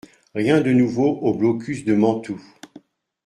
Rien de nouveau au blocus de Mantoue.